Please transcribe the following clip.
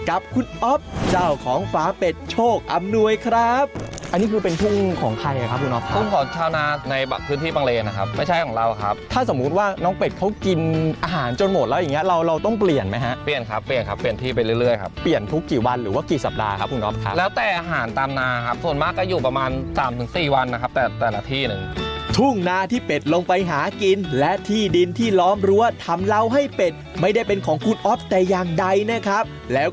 อันนี้คือเป็นทุ่งของใครครับคุณออฟครับทุ่งของชาวนาในพื้นที่บางเลนะครับไม่ใช่ของเราครับถ้าสมมุติว่าน้องเป็ดเขากินอาหารจนหมดแล้วอย่างเงี้ยเราต้องเปลี่ยนไหมครับเปลี่ยนครับเปลี่ยนครับเปลี่ยนที่ไปเรื่อยครับเปลี่ยนทุกกี่วันหรือว่ากี่สัปดาห์ครับคุณออฟครับแล้วแต่อาหารตามนาครับส่วนมากก็อยู่ป